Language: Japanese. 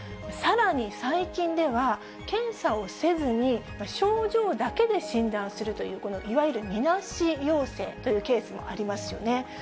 さらに最近では、検査をせずに症状だけで診断するという、このいわゆるみなし陽性というケースもありますよね。